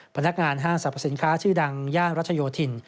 พนักงานห้างสรรพสินค้าชื่อดังย่านรัชโยธิน